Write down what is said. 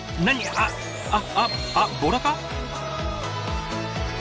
ああっあっあっボラか？